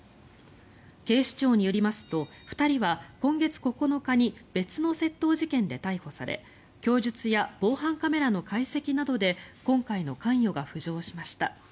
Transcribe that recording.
警視庁によりますと２人は今月９日に別の窃盗事件で逮捕され供述や防犯カメラの解析などで今回の関与が浮上しました。